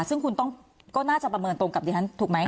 ซึ่งคุณก็น่าจะประเมินตรงกับหนังเดือนธรรพ์ถูกมั้ย